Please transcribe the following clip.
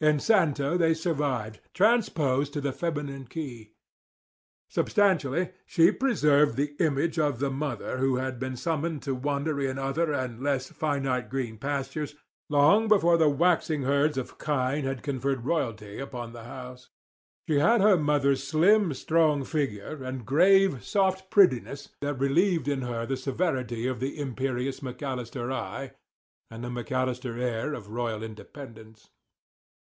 In Santa they survived, transposed to the feminine key. Substantially, she preserved the image of the mother who had been summoned to wander in other and less finite green pastures long before the waxing herds of kine had conferred royalty upon the house. She had her mother's slim, strong figure and grave, soft prettiness that relieved in her the severity of the imperious McAllister eye and the McAllister air of royal independence.